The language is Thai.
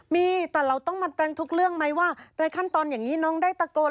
มีแต่เราต้องมาแปลงทุกเรื่องไหมว่าในขั้นตอนอย่างนี้น้องได้ตะโกน